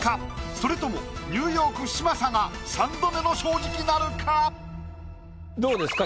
それともニューヨーク嶋佐が３度目の正直なるか⁉どうですか？